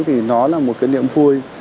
thì nó là một cái niệm vui